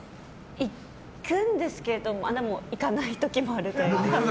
いくんですけどでもいかない時もあるというか。